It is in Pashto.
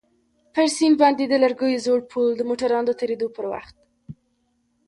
پر سيند باندى د لرګيو زوړ پول د موټرانو د تېرېدو پر وخت.